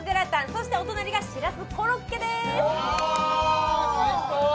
そしてお隣がしらすコロッケです